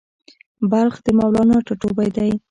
بلخ د مولانا ټاټوبی دی